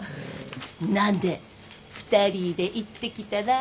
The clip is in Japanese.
なんで２人で行ってきたら。